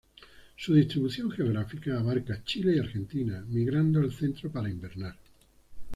Su distribución geográfica abarca Chile y Argentina, migrando al centro para invernar.